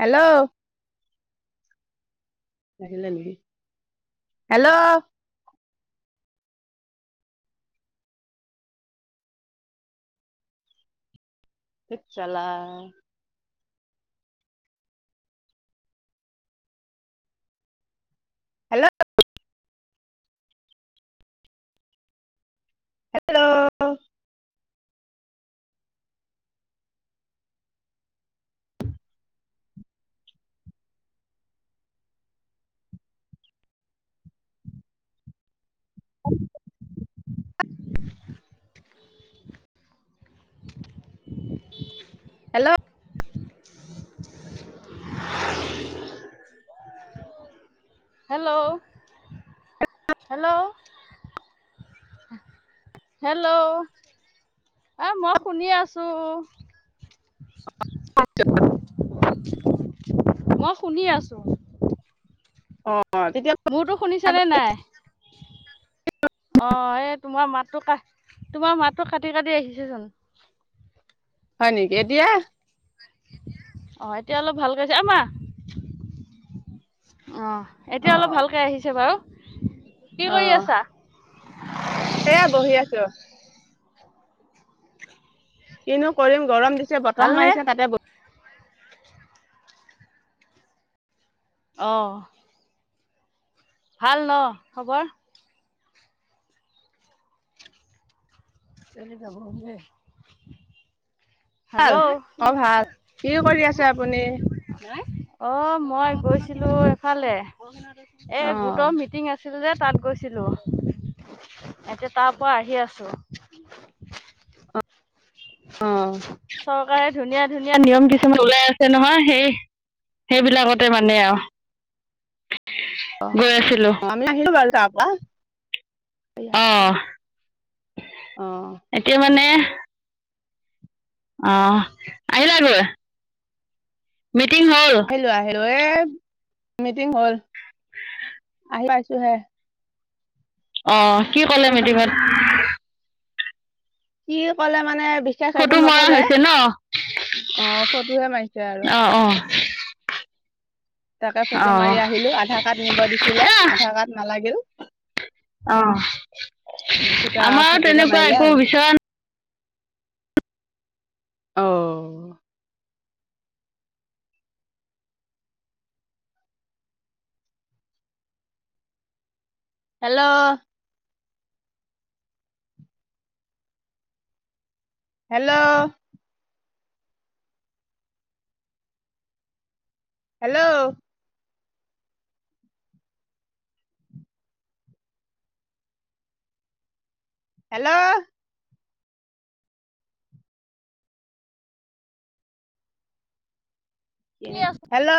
Hello, আহিলে নেকি hello, ধেত চালা। Hello, hello, [inaudible] hello, hello, - hello, hello, এ মই শুনি আছো। [unintelligible] মই শুনি আছো। অ', তেতিয়া মোৰতো শুনিছেনে নাই, অ, এই তোমাৰ মাতটো ক তোমাৰ মাতটো কাটি- কাটি আহিছে চুন। হয় নেক এতিয়া। অহ, এতিয়া অলপ ভালকে আহিছে অ, মা। অ, এতিয়া অলপ অ'। ভালকে আহিছে বাৰু, কি কৰি আছা? সেয়া বহি আছো। কিনো কৰিম গৰম দিছে বতাহ ভালনে মাৰিছে তাতে অহ', ভাল ন খবৰ? চাইলিত যাব হলে। ভাল হেল্ল', অ', ভাল কি কৰি আছে আপুনি? অ, মই গৈছিলো এফালে, এ অ', গোটৰ মিটিং আছে। সেইদৰেই তাত গৈছিলো। এতিয়া তাৰ পৰা আহি আছো। অ। চৰকাৰে ধুনীয়া ধুনীয়া নিয়ম কিছুমান ওলাই আছে নহয় সেই সেইবিলাকতে মানে আৰু। অ গৈ আছিলোঁ অ আমি আহিলো বাৰু তাপা। অ অ', এতিয়া মানে অ আহিলাগৈ? মিটিং হ'ল আহিলো আহিলো এই মিটিং হ'ল আহি পাইছোহে। অ। কি ক'লে মিটিংত? কি ক'লে মানে বিশেষ একো ফটো মৰা নকলে হৈছে ন অ ফটোহে মাৰিছে আৰু। অঁ অঁ তাকে ফটো অঁ মাৰি আহিলো, আধাৰ কাৰ্ড নিব দিছিলে আধাৰ কাৰ্ড নালাগিল। অ, তাৰপিছত আমাৰো তেনেকুৱা একো বিচৰা অ। হেল্ল' হেল্ল' হেল্ল' হেল্ল' শুনি আছো হেল্ল'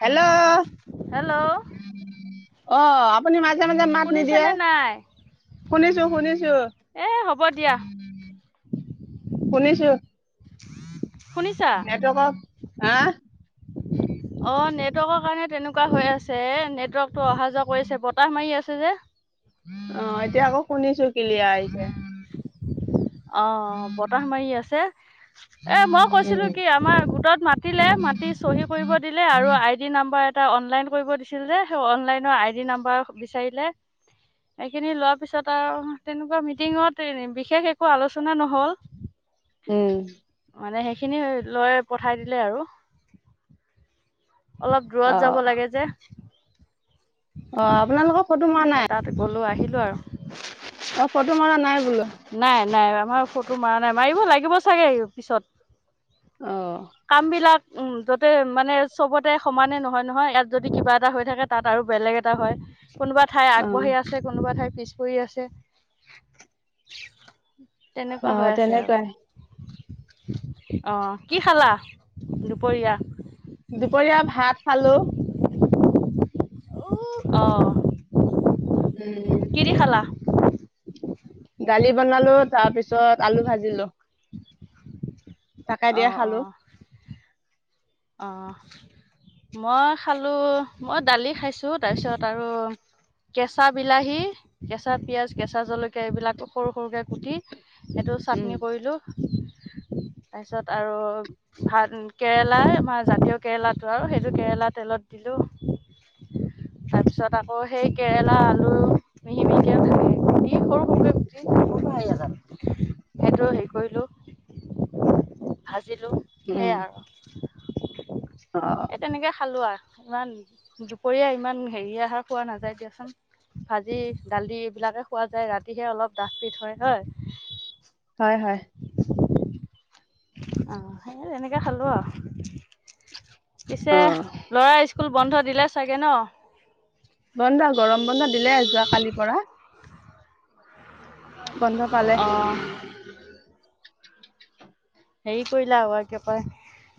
হেল্ল'। হেল্ল' অ আপুনি মাজে মাজে মাত নিদিয়ে। শুনিছানে নাই শুনিছো শুনিছো। এ হ'ব দিয়া শুনিছো। শুনিছা নেটৱৰ্কৰ হা? অ নেটৱৰ্কৰ কাৰণে তেনেকুৱা হৈ আছে নেটৱৰ্কটো অহা যোৱা কৰি আছে বতাহ মাৰি আছে যে। অ এতিয়া আকৌ শুনিছো কিলিয়াৰ আহিছে। অ বতাহ মাৰি আছে এ মই কৈছিলো কি উম আমাৰ গোটত মাতিলে মাতি চহী কৰিব দিলে আৰু আই ডি নাম্বাৰ এটা এটা অনলাইন কৰিব দিছিল যে সেই অনলাইনৰ আইডি নাম্বাৰ বিচাৰিলে। এইখিনি লোৱাৰ পিছত আৰু তেনেকুৱা মিটিঙত এ বিশেষ একো একো আলোচনা নহ'ল। উম। মানে এইখিনি লৈ পঠাই দিলে আৰু। অলপ অ দূৰত যাব লাগে যে। অ আপোনালোকৰ ফটো মৰা সেই নাই? তাত গ'লো আহিলো আৰু অ ফটো মৰা নাই বোলো। নাই নাই আমাৰ ফটো মাৰা নাই মাৰিব লাগিব চাগে পিছত। অ। কাম বিলাক উম ত'তে মানে চবতে সমানে নহয় নহয় ইয়াত যদি কিবা এটা হৈ থাকে তাত আৰু বেলেগ এটা হয়। কোনোবা ঠাই অ আগবাঢ়ি আছে কোনোবা ঠাই পিছ পৰি আছে। তেনেকুৱা অ হৈ আছে আৰু। তেনেকুৱাই অ কি খালা দুপৰীয়া? দুপৰীয়া ভাত খালো। [unintelligible] অ। উম। কি দি খালা দালি বনালো তাৰপিছত আলু ভাজিলো। তাকে অ দিয়ে অ খালো। অ। মই খালো, মই দালি খাইছো, তাৰপিছত আৰু কেঁচা বিলাহী, কেঁচা পিয়াজ, কেঁচা জলকীয়া এইবিলাক সৰু সৰুকে কুটি এইটো উম, চাটনি কৰিলোঁ তাৰপিছত আৰু ভাত কেৰেলা আমাৰ জাতীয় কেৰেলাটো আৰু সেইটো কেৰেলা তেলত দিলো তাৰপিছত আকৌ সেই কেৰেলা আলু মিহি মিহিকেও ভালে সৰু সৰু ব্যি সেইটো হেৰি কৰিলো [unintelligible] আ [unintelligible] দিলোঁ উম, সেয়াই আৰু, অ', এই তেনেকৈ খালোঁ আৰু। ইমান দুপৰীয়া ইমান হেৰি আহাৰ খোৱা নাযায় দিয়াচোন। ভাজি দালি এইবিলাকে খোৱা যায় ৰাতিহে অলপ ডাঠ পিথ, হয় হয় হয় হয়। আহ সেই তেনেকে খালো আৰু, পিছে অ'। লৰা স্কুল বন্ধ দিলে চাগে ন। বন্ধ গৰম বন্ধ দিলে যোৱা কালিৰ পৰা। বন্ধ পালে। অঁ হেৰি কৰিলা আক কি কয়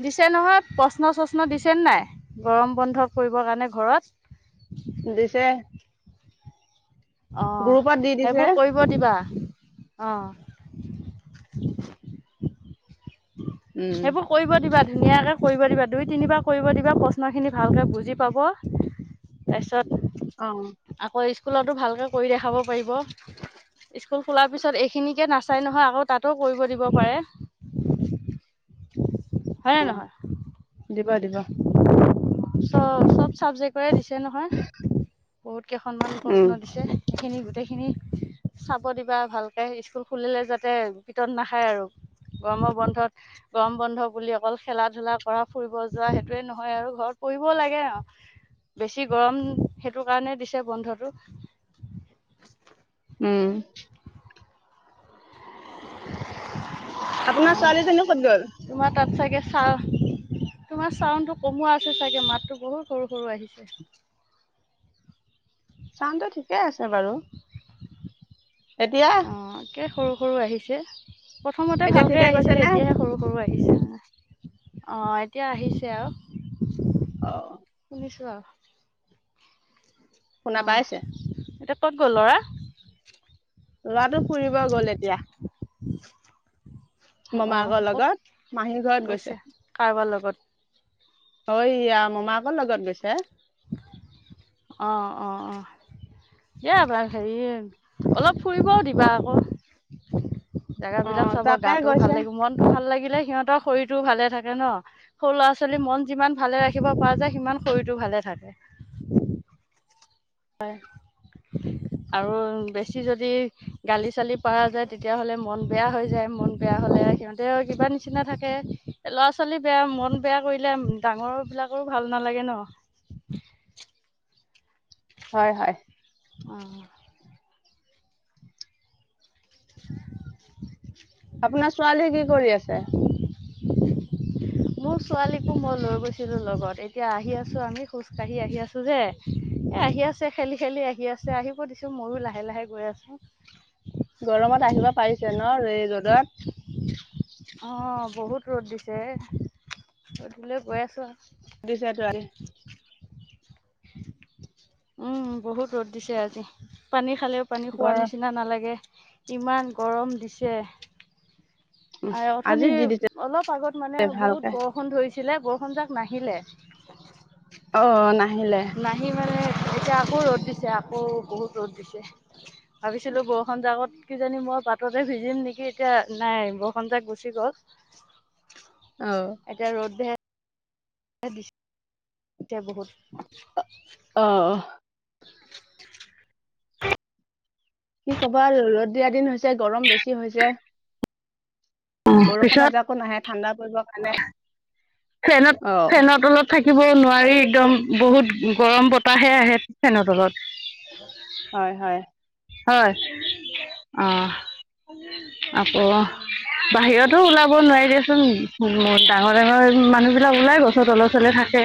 দিছে নহয়, প্ৰশ্ন চশ্ন দিছে ন নাই গৰম বন্ধ কৰিবৰ কাৰণে ঘৰত? দিছে। গ্ৰুপত অ' দি দিছে। সেইবোৰ কৰিব দিবা, অ'। [inaudible] উম। সেইবোৰ কৰিব দিবা। ধুনীয়াকে কৰিব দিবা, দুই তিনিবাৰ কৰিব দিবা প্ৰশ্ন খিনি ভালকে বুজি পাব, তাৰ তিছত, অ', আকৌ স্কুলতো ভালকে কৰি দেখাব পাৰিব। স্কুল খোলাৰ পিছত এইখিনিকে নাচাই নহয় আকৌ তাতো কৰিব দিব পাৰে। হয় নে নহয়? দিবা দিবা। চ চব চাবজেক্টৰে দিছে নহয়, বহুত কেইখনমান উম, প্ৰশ্ন দিছে, এইখিনি গোটেইখিনি চাব দিবা ভালকে স্কুল খুলিলে যাতে পিতন নাখায় আৰু। গৰমৰ বন্ধত, গৰম বন্ধ বুলি অকল খেলা ধূলা কৰা ফুৰিব যোৱা স সটোৱে নহয় আৰু ঘৰত পঢ়িবও লাগে আৰু। বেছি গৰম সেইটো কাৰণে দিছে বন্ধটো। উম। [inaudible] আপোনাৰ ছোৱালী যোনি কত গল? ছ [unintelligible] তোমাৰ চাউণ্ডটো কমোৱা আছে চাগে, মাতটো বহুত সৰু সৰু আহিছে। চানটো ঠিকেই আছে বাৰু। এতিয়া অ একে সৰু সৰু আহিছে, প্ৰথমতে এতিয়া ভালকে ঠিকে গৈছে আহিছিলে, নে? এতিয়াহে সৰু সৰু আহি অ', এতিয়া আহিছে আৰু। অ'হ। নিছোৱা [unintelligible] শুনা অ' পাইছে এতিয়া ক'ত গ'ল ল'ৰা? [inaudible] ল'ৰাটো ফুৰিব গ'ল এতিয়া অ' মমায়েকৰ ক'ত লগত। মাহীৰ ঘৰত গৈছে, কাৰোবাৰ লগত? অ' ই মামাকৰ লগত গৈছে। অ'-অ'-অ'। এবাৰ হেৰি, অলপ ফুৰিবও দিবা আকৌ। অ জেগাবলাক চাব তাকে গাটোও গৈছে ভাল লাগিব মনত ভাল লাগিলে সিহঁতৰ শৰীৰ টো ভালে থাকে ন সৰু ল'ৰা ছোৱালীৰ মন যিমান ভালে ৰাখিব পৰা যায় সিমান শৰীৰটো ভালে থাকে হয় উম আৰু বেছি যদি গালি চালি পৰা যায় তেতিয়াা হ'লে মন বেয়া হৈ যায় মন বেয়া হলে সিহঁতে কিবা নিচিনা থাকে ল'ৰা ছোৱালী বেয়া মন বেয়া কৰিলে ডাঙৰ বিলাকৰো ভাল নালাগে ন হয় হয় অঁ [unintelligible] আপোনাৰ ছোৱালীয়ে কি কৰি আছে মোৰ ছোৱালীকো মই লৈ গৈছিলো লগত এতিয়া আহি আছো আমি খোজ কাঢ়ি আহি আছো যে আহি আছে খেলি খেলি আহি আছে আহিব দিছো মইো লাহে লাহে গৈ আছো গৰমত আহিব পাৰিছে ন এই ৰ'দত অ বহুত ৰ'দ দিছে ৰধিলৈ গৈ আছো আৰু দিছে তাৰে উম বহুত ৰ'দ দিছে আজি পানী খালেও পানী খোৱা গৰম নিচিনা নালাগে ইমান গৰম দিছে উম, আৰু আজি অথনি দি দিছে অলপ আগত মানে বহুত ভালকে বৰষুণ ধৰিছে ছিলে বৰষুজাক নাহিলে অ নাই নাহি মানে এতিয়া আকৌ ৰ'দ দিছে আকৌ বহুত ৰ'দ দিছে ভাবিছিলো বৰষুণ জাকত কিজানি মই পাততে ভিজিম নেকি এতিয়া নাই বৰষুণ জাক গুচি গ'ল অ এতিয়া ৰ'দ য় বহুত অ [unintelligible] কি খব ৰদ দিয়া দিন হৈছে গৰম বেছি হৈছে বৰষুণ পিছত এযোৱাকো নাহে ঠাণ্ডা পৰিবৰ কাৰণে ফেনত অ ফেনত তলত থাক থাকিব নোৱাৰি একদম বহুত গৰম বতাহে আহে ফেনৰ তলত হয় হয় হয় অ আকৌ বাহিৰতো ওলাব নোৱাৰি দিয়াচোন ডাঙৰ ডাঙৰ মানে মানুহ বিলাক ওলাই গছত তল চলে থাকে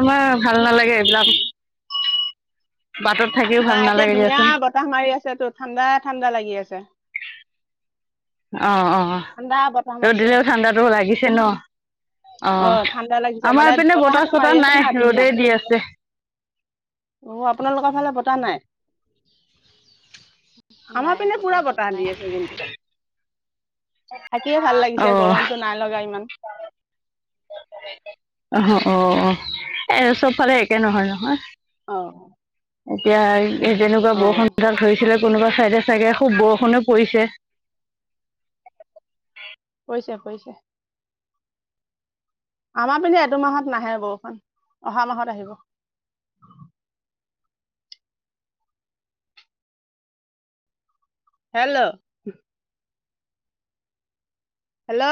আমাৰ ভাল নালাগে এইবিলাক বাটত থাকিও ভাল নাই এতিয়া নালাগে ধুনীয়া দিয়াচোন। বতাহ মাৰি আছে তটো ঠাণ্ডা ঠাণ্ডা লাগি আছে অ অ ঠাণ্ডা বতাহ ৰদ মাৰিছে দিলেও ঠাণ্ডাতো লাগিছে ন অ ঠাণ্ডা লাগিছে মানে আমাৰপিনে বতাহ বতাহতো মাৰি চতাহ আছে নাই না ধুনীয়া ৰ'দেই দি আছে অ আপোনালোকৰ ফালে বতাহ নাই আমাৰ নাই পিনে পুৰা বতাহটো বতাহ নাই। দি আছে কিন্তু থাকিয়ে ভাল লাগিছে অ', গৰমতটো নাই লগা ইমান অ অ এ চবফালে একে নহয় নহয় অ এতিয়া যেনেকুৱা অ বৰষুণাল ধৰিছিলে কোনোবা ছাইডে চাগে খুব বৰষুণে পৰিছে কৈছে কৈছে আমাৰ পিনে এটো মাহত নাহে বৰষুণ অহা মাহত আহিব হেল্ল' হেল্ল'